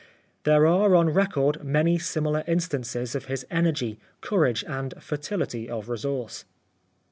There are on record many similar instances of his energy, courage and fertility of resource.